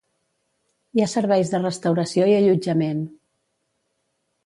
Hi ha serveis de restauració i allotjament.